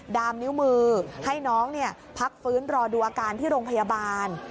ดามนิ้วมือให้น้องพักฟื้นรอดูอาการที่โรงพยาบาล